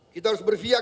kita harus berfihak